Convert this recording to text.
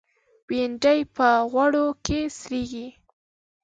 بېنډۍ په غوړ کې سرېږي